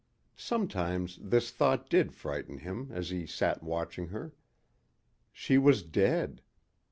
Sometimes this thought did frighten him as he sat watching her. She was dead!